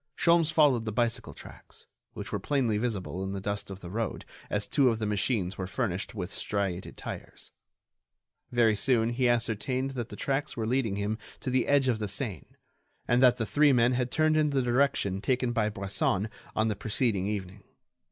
Sholmes followed the bicycle tracks, which were plainly visible in the dust of the road as two of the machines were furnished with striated tires. Very soon he ascertained that the tracks were leading him to the edge of the Seine, and that the three men had turned in the direction taken by Bresson on the preceding evening.